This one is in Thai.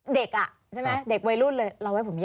เด็กอ่ะใช่ไหมเด็กวัยรุ่นเลย